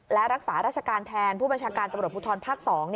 และรักษาราชการแทนผู้บัญชาการตำรวจภูทรภาค๒